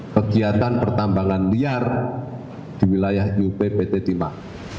kegiatan pertambangan liar di wilayah up pt timah